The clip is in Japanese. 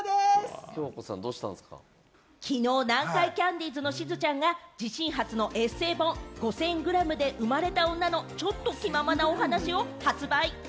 きのう、南海キャンディーズのしずちゃんが自身初のエッセイ本『５０００グラムで生まれた女のちょっと気ままなお話』を発売。